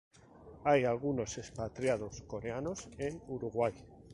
Hay algunos expatriados coreanos en Uruguay.